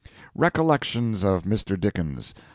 "Recollections of Mr. Dickens."